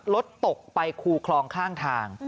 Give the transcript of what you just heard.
รถตกไปคูคลองข้างทาง